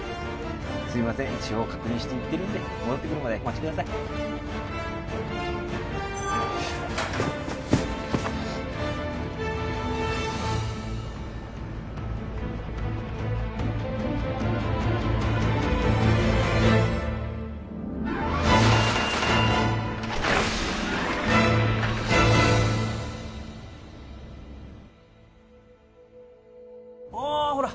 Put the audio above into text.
すいません確認しに行ってるんで戻ってくるまでお待ちくださいああほら